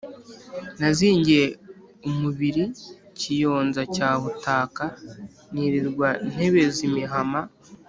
nazingiye umubili kiyonza cya butaka, nilirwa ntebeza imihama,